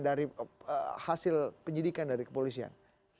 dari hasil penyidikan dari kepolisian